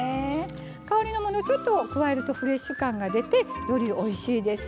香りの物をちょっと加えるとフレッシュ感が出てよりおいしいです。